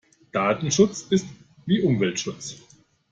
Datenschutz ist wie Umweltschutz.